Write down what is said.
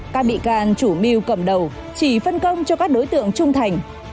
các bị can chủ mưu cầm đầu chỉ phân công cho các đối tượng trung thành